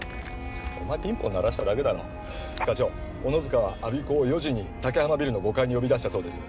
お前ピンポン鳴らしただけだろ課長小野塚は我孫子を４時に竹浜ビルの５階に呼び出したそうです